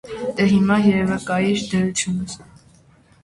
Դե հիմա երևակայիր դրությունս.